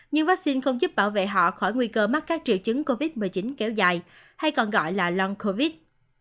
nhưng vắc xin không giúp bảo vệ họ khỏi nguy cơ mắc cắp triệu chứng covid một mươi chín kéo dài hay còn gọi là long covid